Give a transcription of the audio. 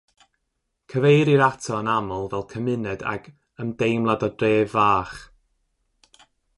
Cyfeirir ato yn aml fel cymuned ag “ymdeimlad o dref fach”.